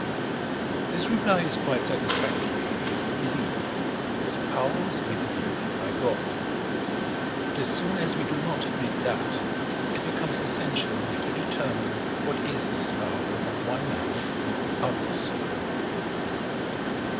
This reply is quite satisfactory if we believe that the power was given him by God. But as soon as we do not admit that, it becomes essential to determine what is this power of one man over others.